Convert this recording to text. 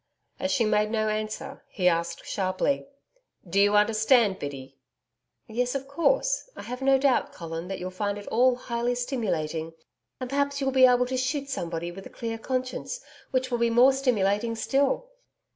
... As she made no answer, he asked sharply: 'Do you understand, Biddy?' 'Yes, of course. I have no doubt, Colin, that you'll find it all highly stimulating. And perhaps you will be able to shoot somebody with a clear conscience, which will be more stimulating still.